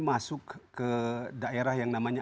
masuk ke daerah yang namanya